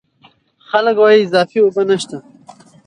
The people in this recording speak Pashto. خلک وايي اضافي اوبه نشته.